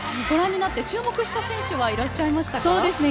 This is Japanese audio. ご覧になって注目した選手はいらっしゃいましたか？